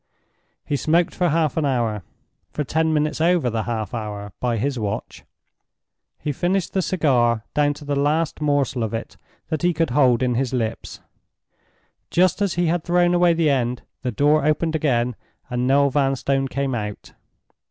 He smoked for half an hour—for ten minutes over the half hour, by his watch. He finished the cigar down to the last morsel of it that he could hold in his lips. Just as he had thrown away the end, the door opened again and Noel Vanstone came out.